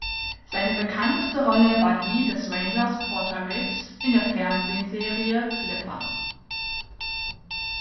Seine bekannteste Rolle war die des Rangers Porter Ricks in der Fernsehserie "Flipper".